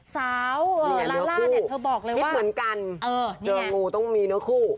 สาวลาล่าเนี่ยเธอบอกเลยว่าเหมือนกันเจองูต้องมีเนื้อคู่